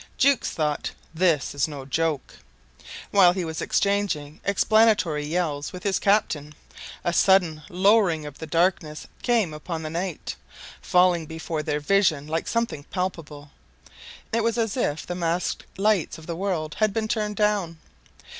Jukes thought, "This is no joke." While he was exchanging explanatory yells with his captain, a sudden lowering of the darkness came upon the night, falling before their vision like something palpable. It was as if the masked lights of the world had been turned down.